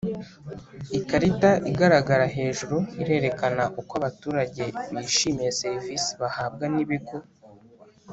Ikarita igaragara hejuru irerekana uko abaturage bishimiye servisi bahabwa n ibigo